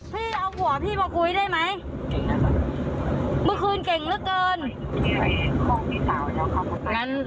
พี่เอาหัวพี่มาคุยได้ไหมเมื่อกึ้งเก่นเหลือเกิน